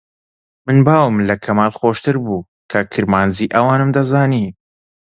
من باوم لە کەمال خۆشتر بوو کە کرمانجیی ئەوانم دەزانی